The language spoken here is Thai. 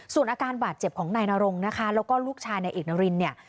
ส่วนอาการบาดเจ็บของนายนรงนะคะแล้วก็ลูกชายนายเอกนารินเนี่ย